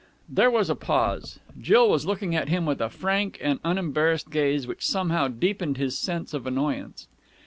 There was a pause. Jill was looking at him with a frank and unembarrassed gaze which somehow deepened his sense of annoyance.